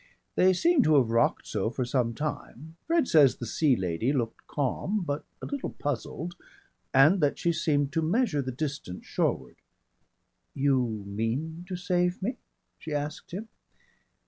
They seem to have rocked so for some time. Fred says the Sea Lady looked calm but a little puzzled and that she seemed to measure the distance shoreward. "You mean to save me?" she asked him.